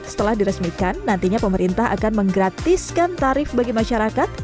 setelah diresmikan nantinya pemerintah akan menggratiskan tarif bagi masyarakat